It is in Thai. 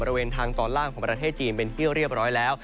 บริเวณทางตอนล่างของประเทศจีนเป็นที่เรียบร้อยแล้ว